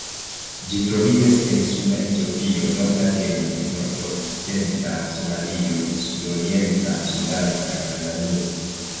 Ĝi troviĝas en suda Etiopio, norda Kenjo, nordokcidenta Somalio, sudorienta Sudano kaj Tanzanio.